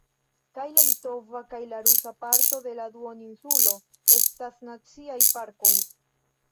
Kaj la litova kaj la rusa parto de la duoninsulo estas Naciaj Parkoj.